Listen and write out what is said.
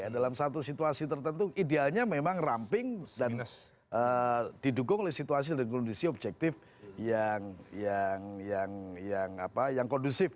dalam satu situasi tertentu idealnya memang ramping dan didukung oleh situasi dan kondisi objektif yang kondusif